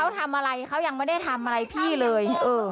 เขาทำอะไรเขายังไม่ได้ทำอะไรพี่เลย